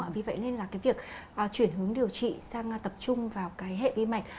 vì vậy nên là cái việc chuyển hướng điều trị sang tập trung vào cái hệ vi mạch